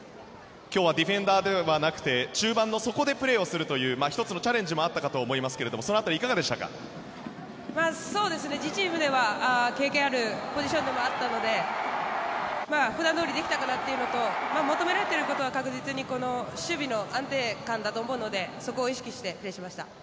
今日はディフェンダーではなくて中盤の底でプレーするという１つのチャレンジもあったかと思いますが自チームでは経験あるポジションではあったので普段どおりできたかなというのと求められていることは確実に守備の安定感だと思うのでそこを意識してプレーしました。